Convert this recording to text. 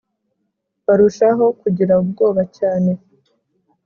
barushaho kugira ubwoba cyane